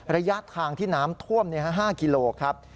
ระยะทางที่น้ำท่วม๕กิโลครับ